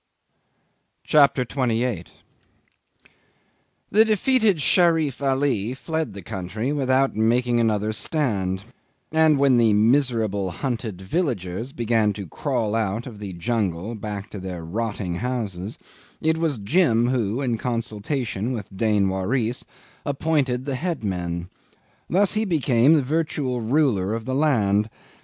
CHAPTER 28 'The defeated Sherif Ali fled the country without making another stand, and when the miserable hunted villagers began to crawl out of the jungle back to their rotting houses, it was Jim who, in consultation with Dain Waris, appointed the headmen. Thus he became the virtual ruler of the land.